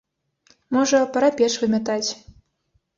Можа, пара печ вымятаць.